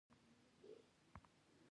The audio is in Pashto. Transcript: تا ته خوب درځي؟